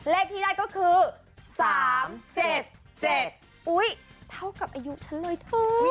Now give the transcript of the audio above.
เลขที่ได้ก็คือสามเจ็ดเจ็ดอุ้ยเท่ากับอายุฉันเลยอุ้ย